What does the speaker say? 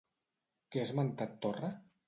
Què ha esmentat Torra?